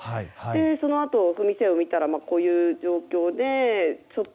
そのあと、お店を見たらこういう状況で。